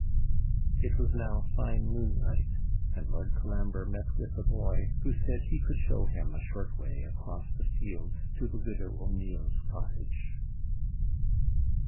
It was now fine moonlight, and Lord Colambre met with a boy, who said he could show him a short way across the fields to the widow O'Neill's cottage.